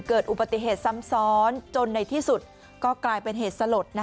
เกิดอุบัติเหตุซ้ำซ้อนจนในที่สุดก็กลายเป็นเหตุสลด